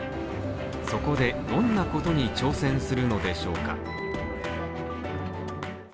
そこでどんなことに挑戦するのでしょうか？